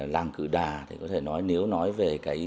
làng cự đà nếu nói về